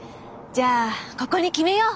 じゃあここに決めよう！